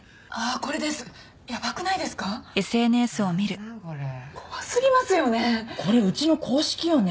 これうちの公式よね？